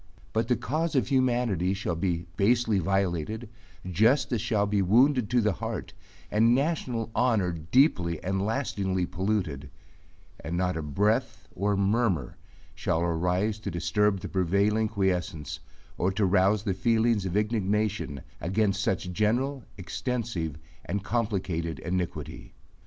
But the cause of humanity shall be basely violated, justice shall be wounded to the heart, and national honor deeply and lastingly polluted, and not a breath or murmur shall arise to disturb the prevailing quiescence or to rouse the feelings of indignation against such general, extensive, and complicated iniquity.